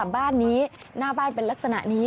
บ้านนี้หน้าบ้านเป็นลักษณะนี้